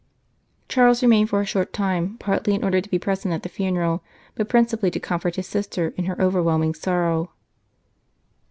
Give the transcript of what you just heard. Charles remained for a short time, partly in order to be present at the funeral, but principally to comfort his sister in her overwhelming sorrow.